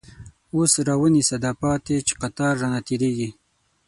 اوس را ونیسه دا پاتی، چه قطار رانه تیریږی